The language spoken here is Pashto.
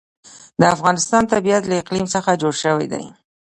د افغانستان طبیعت له اقلیم څخه جوړ شوی دی.